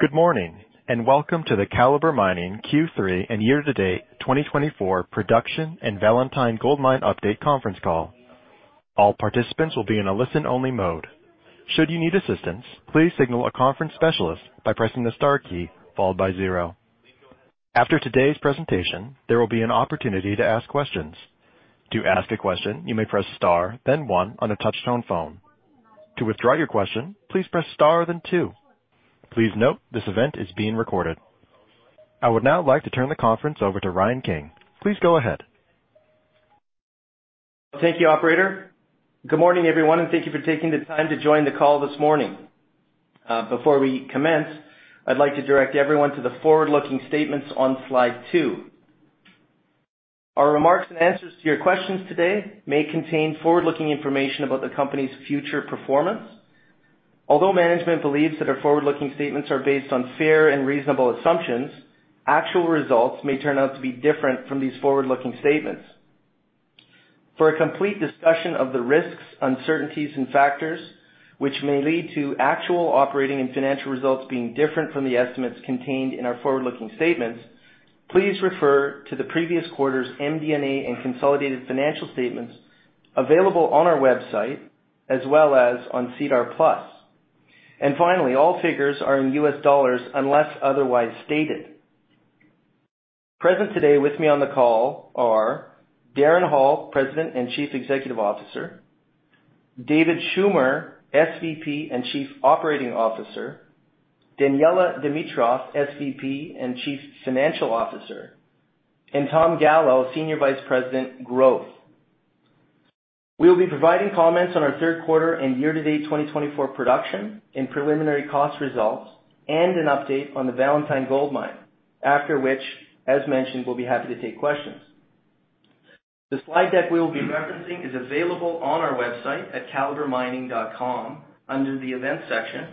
Good morning, and welcome to the Calibre Mining Q3 and year-to-date twenty twenty-four production and Valentine Gold Mine update conference call. All participants will be in a listen-only mode. Should you need assistance, please signal a conference specialist by pressing the star key, followed by zero. After today's presentation, there will be an opportunity to ask questions. To ask a question, you may press star, then one on a touch-tone phone. To withdraw your question, please press star, then two. Please note, this event is being recorded. I would now like to turn the conference over to Ryan King. Please go ahead. Thank you, operator. Good morning, everyone, and thank you for taking the time to join the call this morning. Before we commence, I'd like to direct everyone to the forward-looking statements on slide two. Our remarks and answers to your questions today may contain forward-looking information about the company's future performance. Although management believes that our forward-looking statements are based on fair and reasonable assumptions, actual results may turn out to be different from these forward-looking statements. For a complete discussion of the risks, uncertainties, and factors which may lead to actual operating and financial results being different from the estimates contained in our forward-looking statements, please refer to the previous quarter's MD&A and consolidated financial statements available on our website as well as on SEDAR+. And finally, all figures are in U.S. dollars unless otherwise stated. Present today with me on the call are Darren Hall, President and Chief Executive Officer, David Schumer, SVP and Chief Operating Officer, Daniella Dimitrov, SVP and Chief Financial Officer, and Tom Gallo, Senior Vice President, Growth. We'll be providing comments on our third quarter and year-to-date 2024 production and preliminary cost results, and an update on the Valentine Gold Mine, after which, as mentioned, we'll be happy to take questions. The slide deck we will be referencing is available on our website at calibremining.com under the Events section.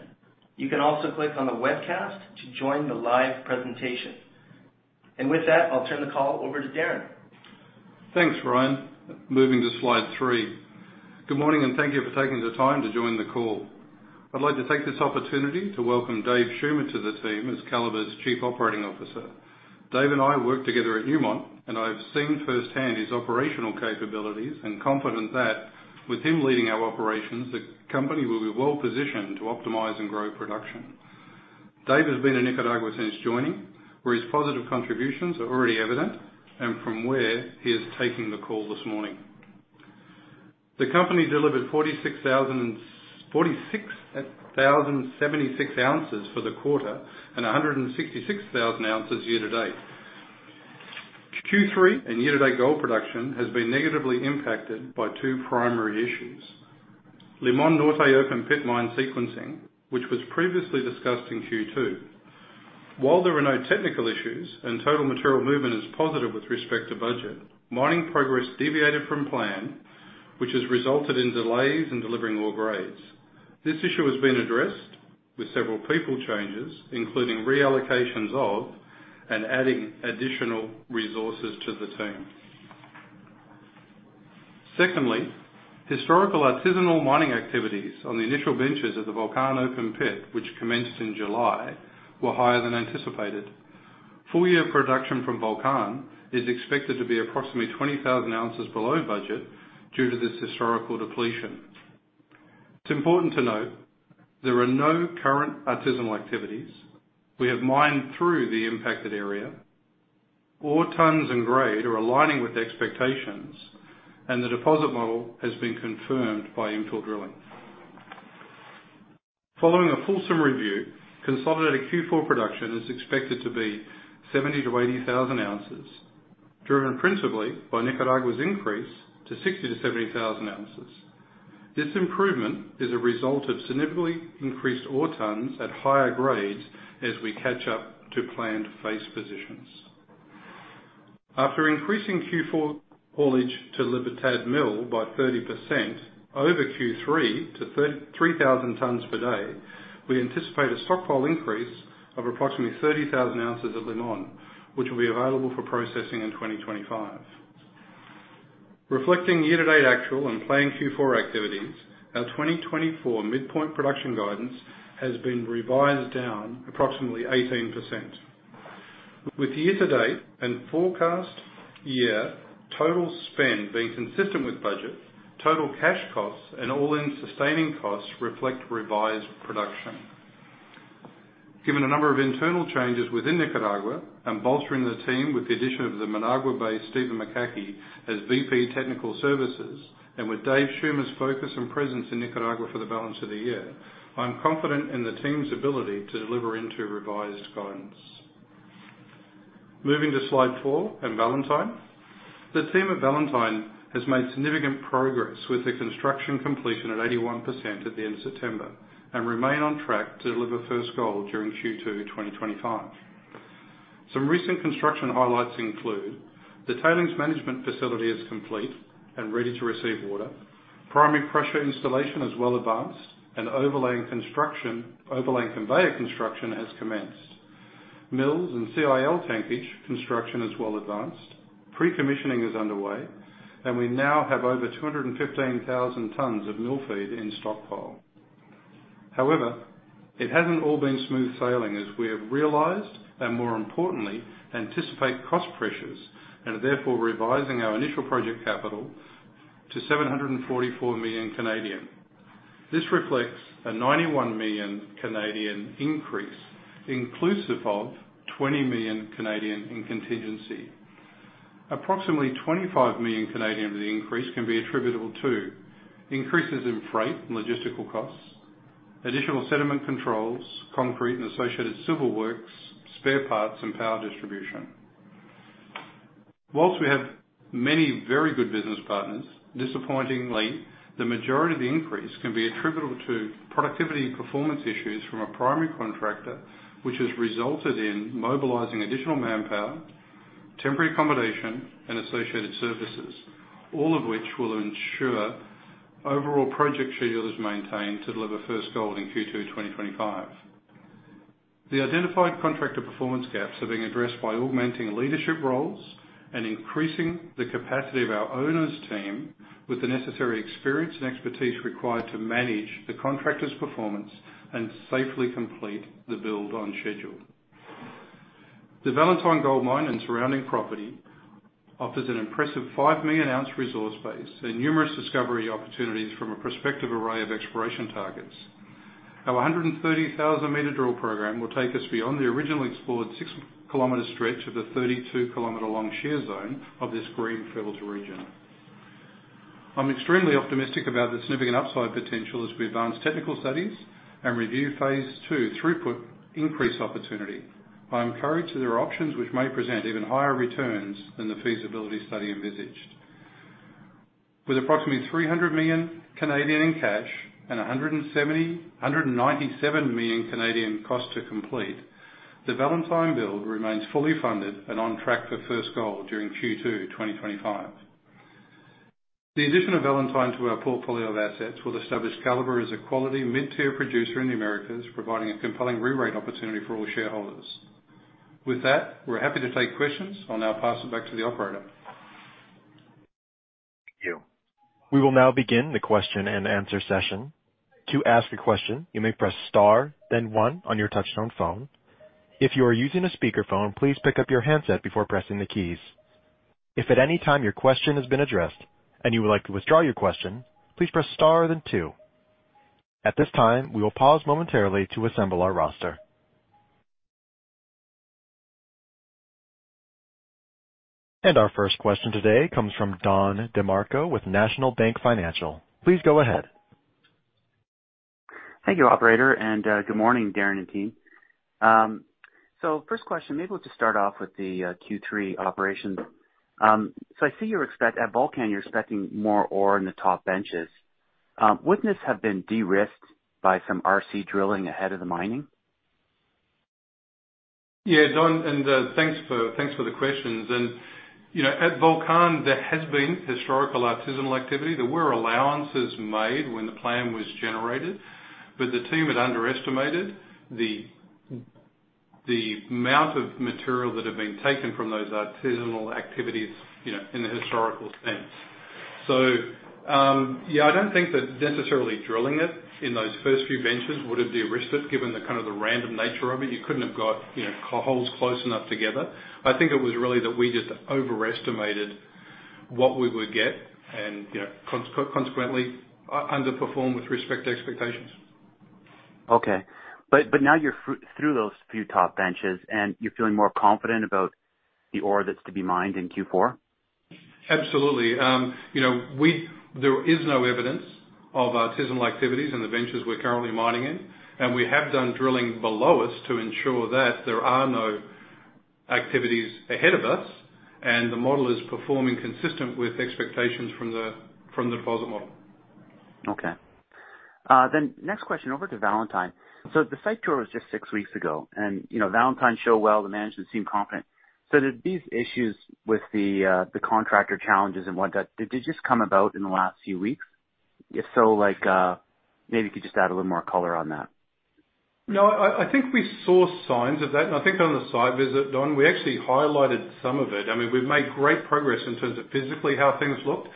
You can also click on the webcast to join the live presentation. And with that, I'll turn the call over to Darren. Thanks, Ryan. Moving to slide three. Good morning, and thank you for taking the time to join the call. I'd like to take this opportunity to welcome David Schumer to the team as Calibre's Chief Operating Officer. Dave and I worked together at Newmont, and I've seen firsthand his operational capabilities and confident that with him leading our operations, the company will be well-positioned to optimize and grow production. Dave has been in Nicaragua since joining, where his positive contributions are already evident and from where he is taking the call this morning. The company delivered forty-six thousand and seventy-six ounces for the quarter and a hundred and 66,000 ounces year to date. Q3 and year-to-date gold production has been negatively impacted by two primary issues. Limon Norte open pit mine sequencing, which was previously discussed in Q2. While there are no technical issues, and total material movement is positive with respect to budget, mining progress deviated from plan, which has resulted in delays in delivering ore grades. This issue has been addressed with several people changes, including reallocations of and adding additional resources to the team. Secondly, historical artisanal mining activities on the initial benches of the Volcan open pit, which commenced in July, were higher than anticipated. Full year production from Volcan is expected to be approximately 20,000 ounces below budget due to this historical depletion. It's important to note there are no current artisanal activities. We have mined through the impacted area. Ore tons and grade are aligning with expectations, and the deposit model has been confirmed by infill drilling. Following a full summer review, consolidated Q4 production is expected to be 70-80 thousand ounces, driven principally by Nicaragua's increase to 60-70 thousand ounces. This improvement is a result of significantly increased ore tons at higher grades as we catch up to planned phase positions. After increasing Q4 haulage to Libertad Mill by 30% over Q3 to thirty-three thousand tons per day, we anticipate a stockpile increase of approximately 30,000 ounces at Limon, which will be available for processing in 2025. Reflecting year-to-date actual and planned Q4 activities, our 2024 midpoint production guidance has been revised down approximately 18%. With year-to-date and forecast year total spend being consistent with budget, total cash costs and all-in sustaining costs reflect revised production. Given a number of internal changes within Nicaragua and bolstering the team with the addition of the Managua-based Steve McCaughey as VP Technical Services, and with David Schumer's focus and presence in Nicaragua for the balance of the year, I'm confident in the team's ability to deliver into revised guidance. Moving to slide four on Valentine. The team at Valentine has made significant progress with the construction completion at 81% at the end of September and remain on track to deliver first gold during Q2 2025. Some recent construction highlights include: the tailings management facility is complete and ready to receive water, primary crusher installation is well advanced, and overland conveyor construction has commenced. Mills and CIL tankage construction is well advanced, pre-commissioning is underway, and we now have over 215,000 tons of mill feed in stockpile. However, it hasn't all been smooth sailing as we have realized, and more importantly, anticipate cost pressures and are therefore revising our initial project capital to 744 million. This reflects a 91 million increase, inclusive of 20 million in contingency. Approximately 25 million of the increase can be attributable to increases in freight and logistical costs, additional sediment controls, concrete and associated civil works, spare parts, and power distribution. While we have many very good business partners, disappointingly, the majority of the increase can be attributable to productivity and performance issues from a primary contractor, which has resulted in mobilizing additional manpower, temporary accommodation, and associated services, all of which will ensure overall project schedule is maintained to deliver first gold in Q2 2025. The identified contractor performance gaps are being addressed by augmenting leadership roles and increasing the capacity of our owners team with the necessary experience and expertise required to manage the contractor's performance and safely complete the build on schedule. The Valentine Gold Mine and surrounding property offers an impressive 5 million ounce resource base and numerous discovery opportunities from a prospective array of exploration targets. Our 130,000-meter drill program will take us beyond the originally explored 6-kilometer stretch of the 32-kilometer-long shear zone of this greenfield region. I'm extremely optimistic about the significant upside potential as we advance technical studies and review phase two throughput increase opportunity. I'm encouraged that there are options which may present even higher returns than the feasibility study envisaged. With approximately 300 million in cash and 197 million cost to complete, the Valentine build remains fully funded and on track for first gold during Q2 2025. The addition of Valentine to our portfolio of assets will establish Calibre as a quality mid-tier producer in the Americas, providing a compelling rerate opportunity for all shareholders. With that, we're happy to take questions. I'll now pass it back to the operator. Thank you. We will now begin the question-and-answer session. To ask a question, you may press star, then one on your touchtone phone. If you are using a speakerphone, please pick up your handset before pressing the keys. If at any time your question has been addressed and you would like to withdraw your question, please press star, then two. At this time, we will pause momentarily to assemble our roster, and our first question today comes from Don DeMarco with National Bank Financial. Please go ahead. Thank you, operator, and good morning, Darren and team, so first question, maybe we'll just start off with the Q3 operations, so I see you expect at Volcan, you're expecting more ore in the top benches. Wouldn't this have been de-risked by some RC drilling ahead of the mining? Yeah, Don, thanks for the questions. And, you know, at Volcan, there has been historical artisanal activity. There were allowances made when the plan was generated, but the team had underestimated the amount of material that had been taken from those artisanal activities, you know, in the historical sense. So, yeah, I don't think that necessarily drilling it in those first few benches would have de-risked it, given the random nature of it. You couldn't have got, you know, holes close enough together. I think it was really that we just overestimated what we would get and, you know, consequently, underperformed with respect to expectations. Okay, but now you're through those few top benches, and you're feeling more confident about the ore that's to be mined in Q4? Absolutely. You know, there is no evidence of artisanal activities in the benches we're currently mining in, and we have done drilling below us to ensure that there are no activities ahead of us, and the model is performing consistent with expectations from the deposit model. Okay. Then next question, over to Valentine. So the site tour was just six weeks ago, and, you know, Valentine showed well, the management seemed confident. So did these issues with the contractor challenges and whatnot, did they just come about in the last few weeks? If so, like, maybe you could just add a little more color on that. No, I think we saw signs of that, and I think on the site visit, Don, we actually highlighted some of it. I mean, we've made great progress in terms of physically how things looked.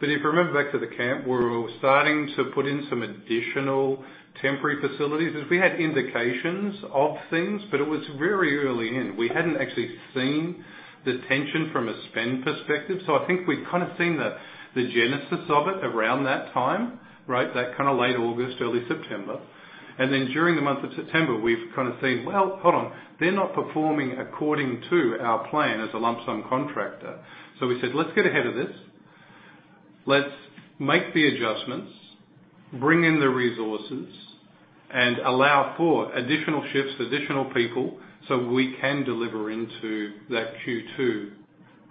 But if you remember back to the camp, where we were starting to put in some additional temporary facilities, is we had indications of things, but it was very early in. We hadn't actually seen the tension from a spend perspective, so I think we'd kind of seen the genesis of it around that time, right? That kind of late August, early September. And then during the month of September, we've kind of seen, well, hold on, they're not performing according to our plan as a lump sum contractor. So we said, "Let's get ahead of this. Let's make the adjustments, bring in the resources, and allow for additional shifts, additional people, so we can deliver into that Q2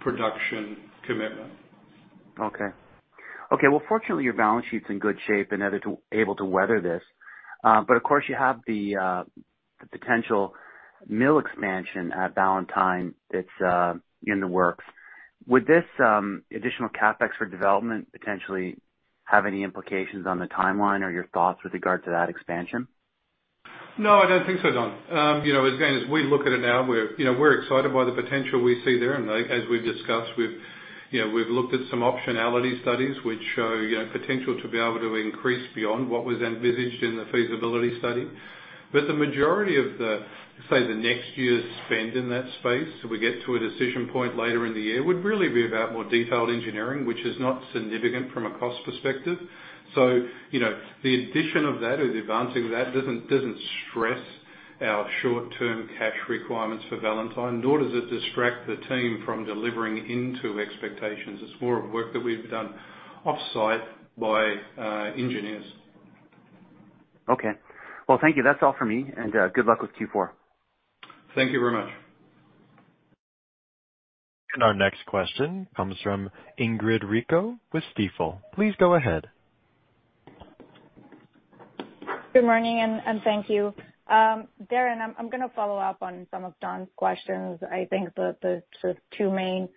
production commitment. Okay. Okay, well, fortunately, your balance sheet's in good shape and able to weather this. But of course, you have the potential mill expansion at Valentine that's in the works. Would this additional CapEx for development potentially-... have any implications on the timeline or your thoughts with regard to that expansion? No, I don't think so, Don. You know, again, as we look at it now, we're, you know, we're excited by the potential we see there, and as we've discussed, we've, you know, we've looked at some optionality studies which show, you know, potential to be able to increase beyond what was envisaged in the feasibility study, but the majority of the, say, the next year's spend in that space, so we get to a decision point later in the year, would really be about more detailed engineering, which is not significant from a cost perspective. So, you know, the addition of that or the advancing of that doesn't stress our short-term cash requirements for Valentine, nor does it distract the team from delivering into expectations. It's more of work that we've done off-site by engineers. Okay. Well, thank you. That's all for me, and good luck with Q4. Thank you very much. Our next question comes from Ingrid Rico with Stifel. Please go ahead. Good morning, and thank you. Darren, I'm gonna follow up on some of Don's questions. I think the sort of two main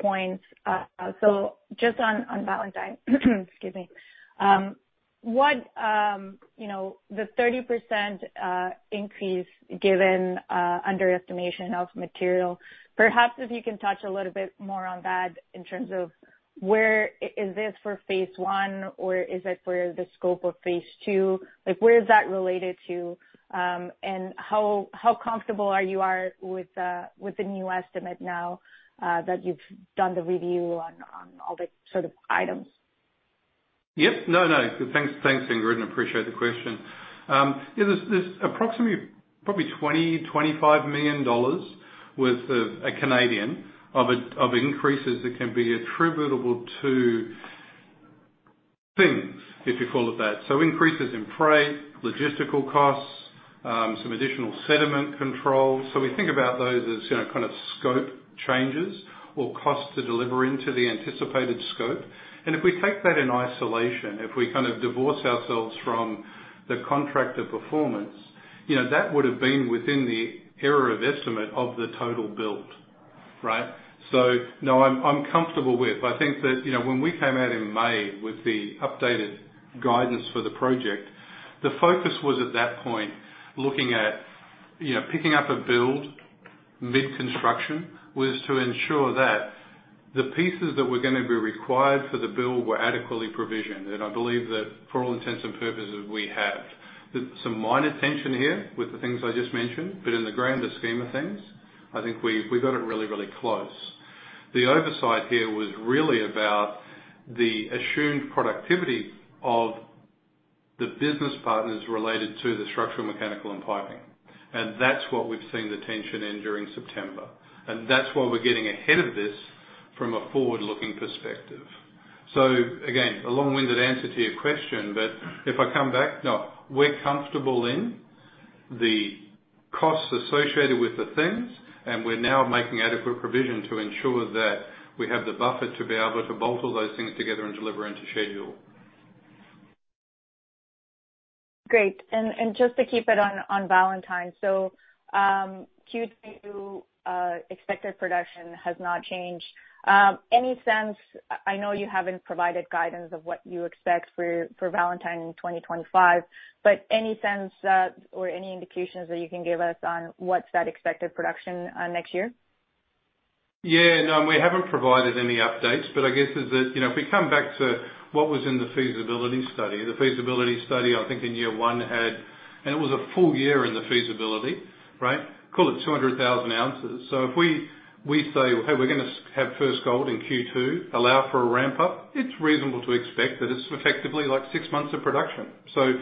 points. So just on Valentine. Excuse me. What, you know, the 30% increase given underestimation of material, perhaps if you can touch a little bit more on that in terms of where is this for phase one, or is it for the scope of phase two? Like, where is that related to, and how comfortable are you with the new estimate now that you've done the review on all the sort of items? Yep. No, no. Thanks, Ingrid. I appreciate the question. Yeah, there's approximately probably 20-25 million dollars worth of Canadian increases that can be attributable to things, if you call it that. So increases in freight, logistical costs, some additional sediment controls. So we think about those as, you know, kind of scope changes or costs to deliver into the anticipated scope. And if we take that in isolation, if we kind of divorce ourselves from the contractor performance, you know, that would have been within the error of estimate of the total build, right? So no, I'm comfortable with... I think that, you know, when we came out in May with the updated guidance for the project, the focus was at that point, looking at, you know, picking up a build mid-construction, was to ensure that the pieces that were gonna be required for the build were adequately provisioned and I believe that for all intents and purposes, we have. There's some minor tension here with the things I just mentioned, but in the grander scheme of things, I think we got it really, really close. The oversight here was really about the assumed productivity of the business partners related to the structural, mechanical, and piping, and that's what we've seen the tension in during September, and that's why we're getting ahead of this from a forward-looking perspective. So, again, a long-winded answer to your question, but if I come back, no, we're comfortable in the costs associated with the things, and we're now making adequate provision to ensure that we have the buffer to be able to bolt all those things together and deliver into schedule. Great. And just to keep it on Valentine. So, Q2 expected production has not changed. Any sense, I know you haven't provided guidance of what you expect for Valentine in 2025, but any sense that, or any indications that you can give us on what's that expected production, next year? Yeah, no, we haven't provided any updates, but I guess that is, you know, if we come back to what was in the feasibility study, the feasibility study, I think in year one had... And it was a full year in the feasibility, right? Call it 200,000 ounces. So if we, we say: Hey, we're gonna have first gold in Q2, allow for a ramp-up, it's reasonable to expect that it's effectively like six months of production. So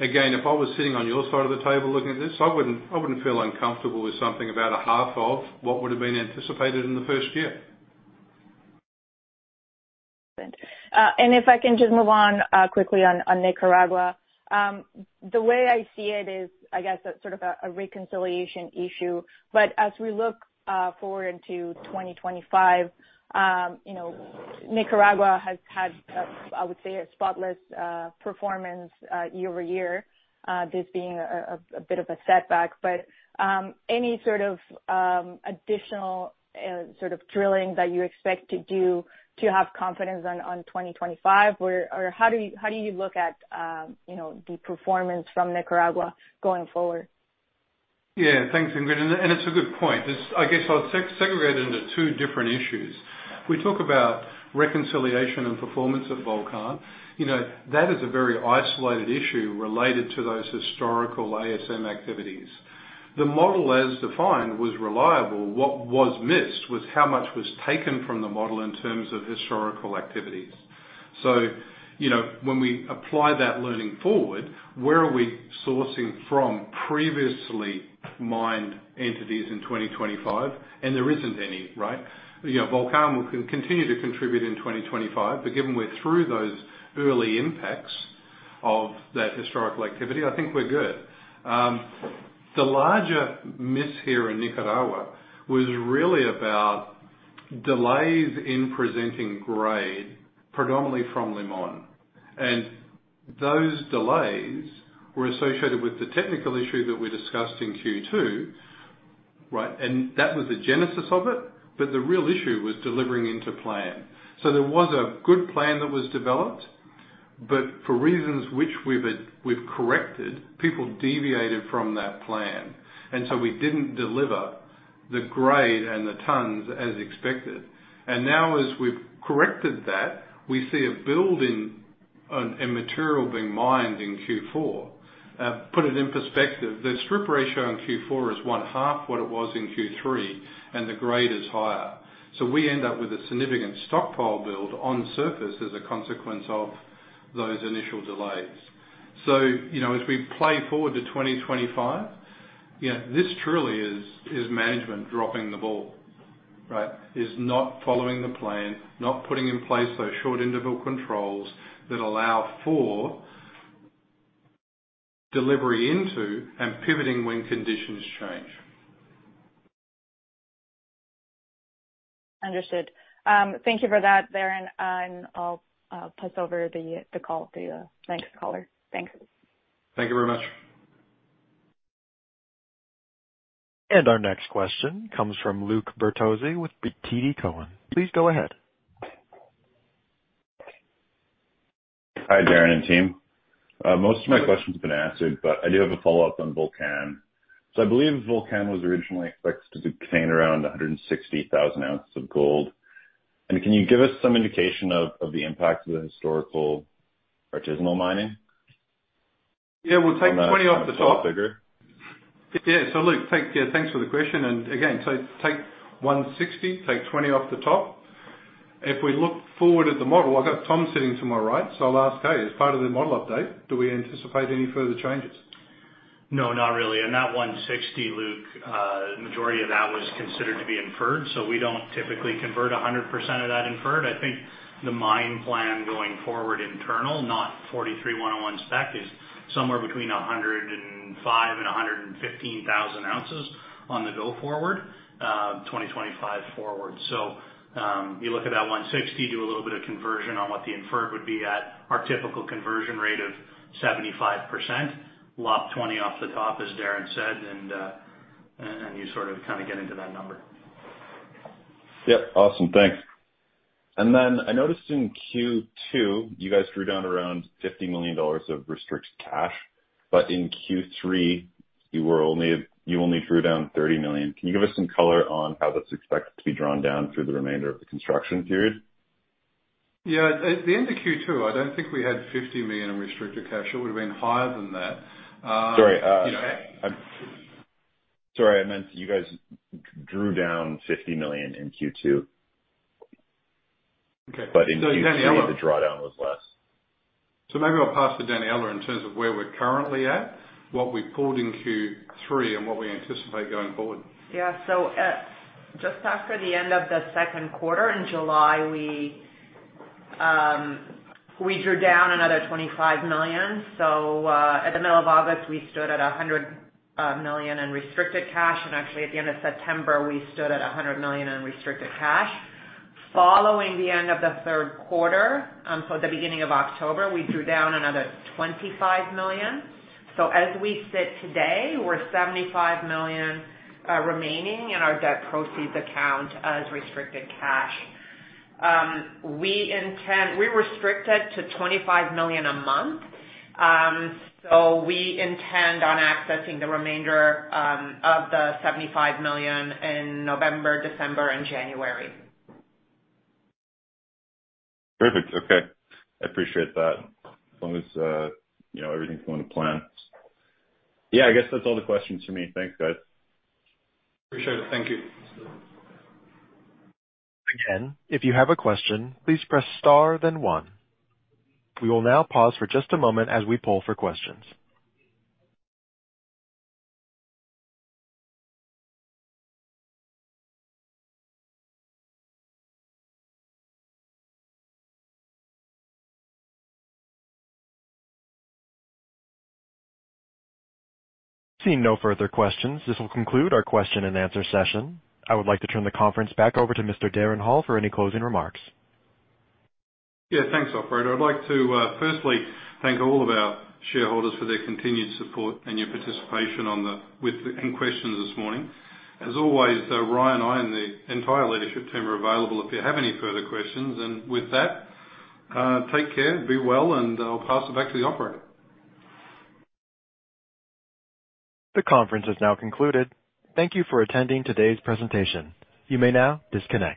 again, if I was sitting on your side of the table looking at this, I wouldn't, I wouldn't feel uncomfortable with something about a half of what would have been anticipated in the first year. And if I can just move on quickly on Nicaragua. The way I see it is, I guess, a sort of a reconciliation issue. But as we look forward into 2025, you know, Nicaragua has had, I would say, a spotless performance year over year, this being a bit of a setback. But any sort of additional sort of drilling that you expect to do to have confidence on 2025, where or how do you look at, you know, the performance from Nicaragua going forward? Yeah. Thanks, Ingrid, and it's a good point. I guess I'll segregate it into two different issues. We talk about reconciliation and performance of Volcan. You know, that is a very isolated issue related to those historical ASM activities. The model, as defined, was reliable. What was missed was how much was taken from the model in terms of historical activities. So, you know, when we apply that learning forward, where are we sourcing from previously mined entities in 2025? And there isn't any, right? You know, Volcan will continue to contribute in 2025, but given we're through those early impacts of that historical activity, I think we're good. The larger miss here in Nicaragua was really about delays in presenting grade, predominantly from Limon, and those delays were associated with the technical issue that we discussed in Q2. Right, and that was the genesis of it, but the real issue was delivering into plan. So there was a good plan that was developed, but for reasons which we've corrected, people deviated from that plan, and so we didn't deliver the grade and the tons as expected. And now, as we've corrected that, we see a build in material being mined in Q4. Put it in perspective, the strip ratio in Q4 is one half what it was in Q3, and the grade is higher. So we end up with a significant stockpile build on surface as a consequence of those initial delays. So, you know, as we play forward to 2025, you know, this truly is management dropping the ball, right? is not following the plan, not putting in place those short interval controls that allow for delivery into and pivoting when conditions change. Understood. Thank you for that, Darren, and I'll pass over the call to the next caller. Thanks. Thank you very much. Our next question comes from Luke Bertozzi with TD Cowen. Please go ahead. Hi, Darren and team. Most of my questions have been answered, but I do have a follow-up on Volcan. So I believe Volcan was originally expected to contain around 160,000 ounces of gold. And can you give us some indication of the impact of the historical artisanal mining? Yeah, we'll take 20 off the top. Figure. Yeah. Luke, thanks for the question, and again, take 160, take 20 off the top. If we look forward at the model, I've got Tom sitting to my right, so I'll ask him, as part of the model update, do we anticipate any further changes? No, not really. And that 160, Luke, majority of that was considered to be inferred, so we don't typically convert 100% of that inferred. I think the mine plan going forward, internal, not 43-101 spec, is somewhere between 105 and 115 thousand ounces on the go forward, 2025 forward. You look at that 160, do a little bit of conversion on what the inferred would be at our typical conversion rate of 75%, lop 20 off the top, as Darren said, and you sort of, kind of get into that number. Yep. Awesome, thanks. And then I noticed in Q2, you guys drew down around $50 million of restricted cash, but in Q3, you only drew down $30 million. Can you give us some color on how that's expected to be drawn down through the remainder of the construction period? Yeah. At the end of Q2, I don't think we had 50 million in restricted cash. It would have been higher than that. Sorry, sorry, I meant you guys drew down $50 million in Q2. Okay. But in Q3, the drawdown was less. So maybe I'll pass to Daniella in terms of where we're currently at, what we pulled in Q3, and what we anticipate going forward. Yeah. So, just after the end of the second quarter, in July, we drew down another $25 million. So, at the middle of August, we stood at $100 million in restricted cash, and actually at the end of September, we stood at $100 million in restricted cash. Following the end of the third quarter, so at the beginning of October, we drew down another $25 million. So as we sit today, we're $75 million remaining in our debt proceeds account as restricted cash. We intend-- We restricted to $25 million a month, so we intend on accessing the remainder of the $75 million in November, December and January. Perfect. Okay. I appreciate that. As long as, you know, everything's going to plan. Yeah, I guess that's all the questions for me. Thanks, guys. Appreciate it. Thank you. Again, if you have a question, please press star then one. We will now pause for just a moment as we poll for questions. Seeing no further questions, this will conclude our question and answer session. I would like to turn the conference back over to Mr. Darren Hall for any closing remarks. Yeah, thanks, operator. I'd like to firstly thank all of our shareholders for their continued support and your participation in questions this morning. As always, though, Ryan, I, and the entire leadership team are available if you have any further questions. And with that, take care, be well, and I'll pass it back to the operator. The conference is now concluded. Thank you for attending today's presentation. You may now disconnect.